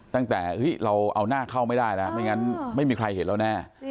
ตั้งแต่เราเอาหน้าเข้าไม่ได้แล้วไม่งั้นไม่มีใครเห็นเราแน่